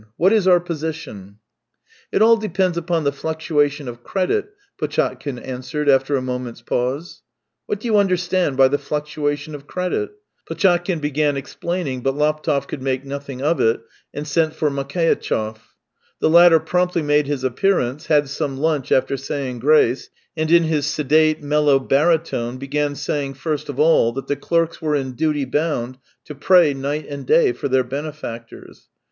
What is our position ?"" It all depends upon the fluctuation of credit," Potchatkin answered after a moment's pause. " What do you understand by the fluctuation of credit ?" Potchatkin began explaining, but Laptev could make nothing of it, and sent for Makeitchev. The latter promptly made his appearance, had some lunch after saying grace, and in his sedate, mellow baritone began saying first of all that the clerks were in duty bound to pray night and day for their benefactors.